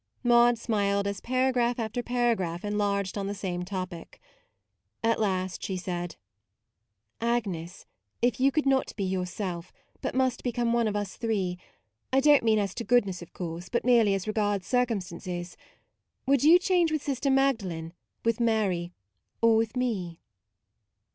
Maude smiled as paragraph after paragraph enlarged on the same topic. At last she said: " Agnes, if MAUDE 109 you could not be yourself, but must become one of us three: I do n't mean as to goodness, of course, but merely as regards circumstances, would you change with Sister Mag dalen, with Mary, or with me?